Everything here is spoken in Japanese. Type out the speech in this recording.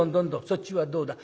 そっちはどうだ？